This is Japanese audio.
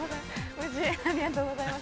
無事ありがとうございます。